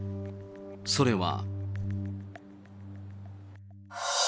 それは。